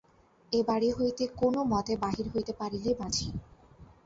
এ বাড়ি হইতে কোন মতে বাহির হইতে পারিলেই বাঁচি।